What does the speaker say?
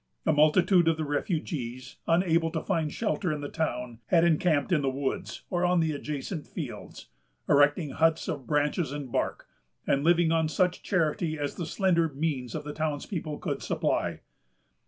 A multitude of the refugees, unable to find shelter in the town, had encamped in the woods or on the adjacent fields, erecting huts of branches and bark, and living on such charity as the slender means of the townspeople could supply.